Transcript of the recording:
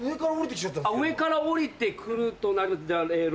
上から下りて来るとなると。